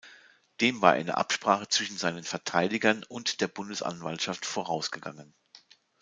Dem war eine Absprache zwischen seinen Verteidigern und der Bundesanwaltschaft vorausgegangen.